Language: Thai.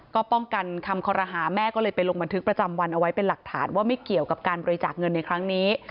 ก็ป้องกันคำคอรหาแม่ก็เลยไปลงบันทึกประจำวันเอาไว้เป็นหลักฐานว่าไม่เกี่ยวกับการบริจาคเงินในครั้งนี้